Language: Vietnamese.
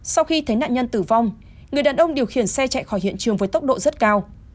sau khi thấy nạn nhân tử vong người đàn ông điều khiển xe chạy khỏi hiện trường với tốc độ rất cao